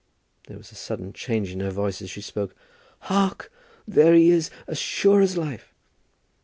There was a sudden change in her voice as she spoke. "Hark, there he is, as sure as life."